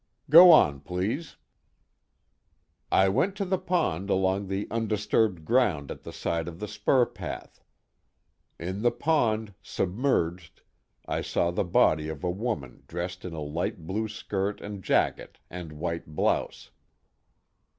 _ "Go on, please." "I went to the pond along the undisturbed ground at the side of the spur path. In the pond, submerged, I saw the body of a woman dressed in a light blue skirt and jacket and white blouse.